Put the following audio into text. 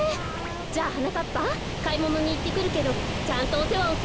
じゃあはなかっぱかいものにいってくるけどちゃんとおせわをするのよ。